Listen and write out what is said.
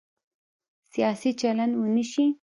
سیاسي چلند ونه شي.